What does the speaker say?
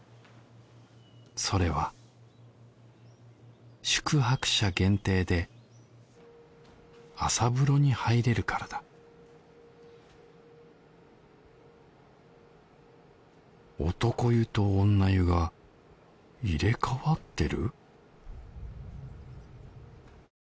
それは宿泊者限定で朝風呂に入れるからだ男湯と女湯が入れ替わってる？